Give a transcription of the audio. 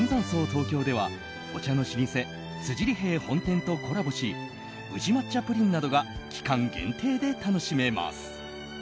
東京ではお茶の老舗辻利兵衛本店とコラボし宇治抹茶プリンなどが期間限定で楽しめます。